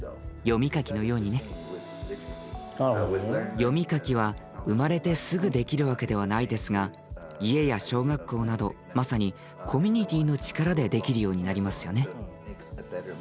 読み書きは生まれてすぐできるわけではないですが家や小学校などまさにコミュニティーの力でできるようになりますよね？